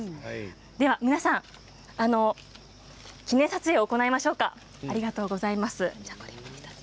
では記念撮影を行いましょうか。